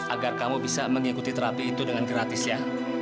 agar kamu bisa mengikuti terapi itu dengan gratis ya